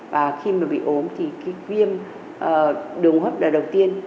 và khi mà bị ốm thì cái viêm đường hấp là đầu tiên